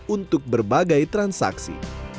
untuk berbagai transaksi